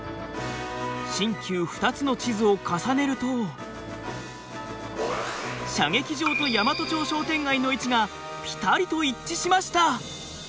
新旧２つの地図を重ねると射撃場と大和町商店街の位置がぴたりと一致しました。